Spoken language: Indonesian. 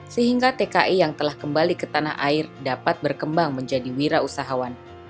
sehingga tki yang telah kembali ke tanah air dapat berkembang menjadi wira usahawan